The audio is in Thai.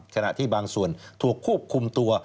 ขณะที่บางส่วนถูกควบคุมตัว